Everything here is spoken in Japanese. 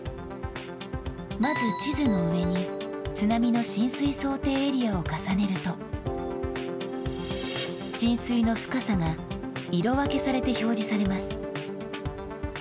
まず地図の上に、津波の浸水想定エリアを重ねると、浸水の深さが色分けされて表示されます。